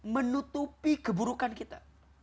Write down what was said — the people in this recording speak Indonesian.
menutupi keburukan kita